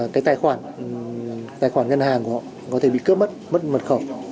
cái tài khoản ngân hàng của họ có thể bị cướp mất mất mật khẩu